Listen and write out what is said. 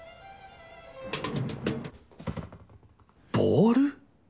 ボール？